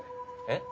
えっ？